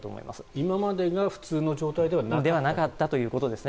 今までが普通の状態ではなかったと。ではなかったということですね。